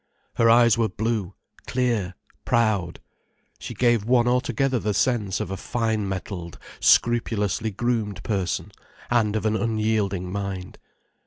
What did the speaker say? Her eyes were blue, clear, proud, she gave one altogether the sense of a fine mettled, scrupulously groomed person, and of an unyielding mind.